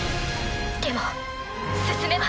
でも進めば。